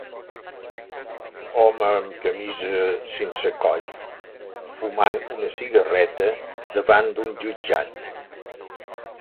Home amb camisa sense coll fumant una cigarreta davant d'un jutjat.